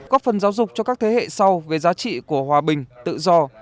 góp phần giáo dục cho các thế hệ sau về giá trị của hòa bình tự do